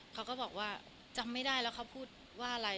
เขาก็บอกว่าจำไม่ได้แล้วเขาพูดว่าอะไร